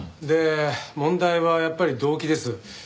で問題はやっぱり動機です。